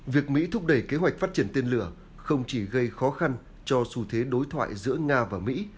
việc mỹ thúc đẩy kế hoạch phát triển tên lửa không chỉ gây khó khăn cho xu thế đối thoại giữa nga và mỹ